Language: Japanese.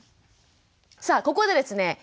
さあここでですね